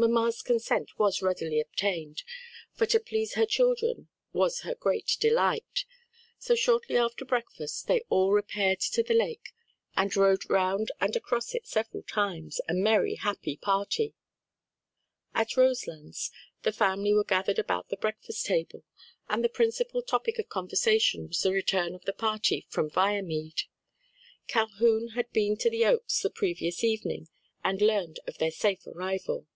Mamma's consent was readily obtained, for to please her children was her great delight. So shortly after breakfast they all repaired to the lake and rowed round and across it several times, a merry, happy party. At Roselands the family were gathered about the breakfast table and the principal topic of conversation was the return of the party from Viamede. Calhoun had been to the Oaks the previous evening and learned of their safe arrival.